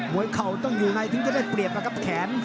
วยเข่าต้องอยู่ในถึงจะได้เปรียบนะครับแขน